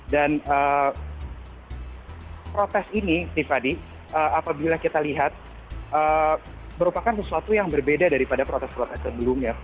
dan protes ini tiffany apabila kita lihat merupakan sesuatu yang berbeda daripada protes protes sebelumnya